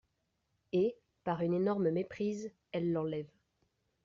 Et, par une énorme méprise, elle l'enlève.